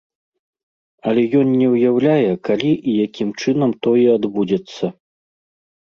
Але ён не ўяўляе калі і якім чынам тое адбудзецца.